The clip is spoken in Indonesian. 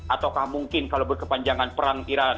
ataukah mungkin kalau berkepanjangan perang iran